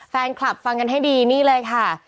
แฟนคลับฟังกันให้ดีนี่เลยค่ะ